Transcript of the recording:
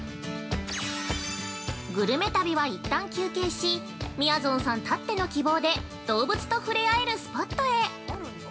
◆グルメ旅は一旦休憩し、みやぞんさんたっての希望で動物と触れ合えるスポットへ。